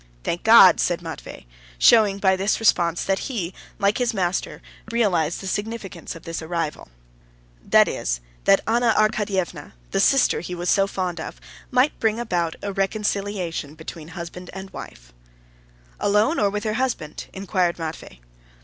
"Thank God!" said Matvey, showing by this response that he, like his master, realized the significance of this arrival—that is, that Anna Arkadyevna, the sister he was so fond of, might bring about a reconciliation between husband and wife. "Alone, or with her husband?" inquired Matvey.